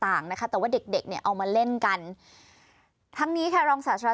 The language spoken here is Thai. ต่างนะคะแต่ว่าเด็กเด็กเนี่ยเอามาเล่นกันทั้งนี้ค่ะรองศาสตรา